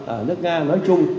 ở nước nga nói chung